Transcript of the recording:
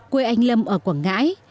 quê anh lâm ở quảng ngãi